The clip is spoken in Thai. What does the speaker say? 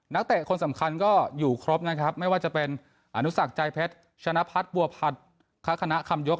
เตะคนสำคัญก็อยู่ครบนะครับไม่ว่าจะเป็นอนุสักใจเพชรชนะพัฒน์บัวพัฒน์คณะคำยก